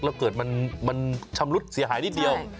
แล้วเกิดมันชำรุดเสียหายนิดเดียว